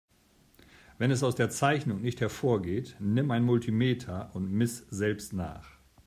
Wenn es aus der Zeichnung nicht hervorgeht, nimm ein Multimeter und miss selbst nach.